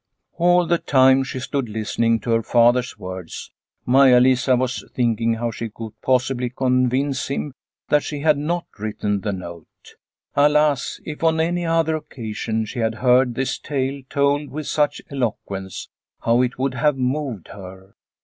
All the time she stood listening to her father's words Maia Lisa was thinking how she could possibly convince him that she had not written the note. Alas, if on any other occasion she had heard this tale told with such eloquence, how it would have moved her